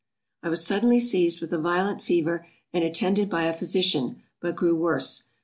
I was suddenly seized with a violent fever, and attended by a physician; but grew worse.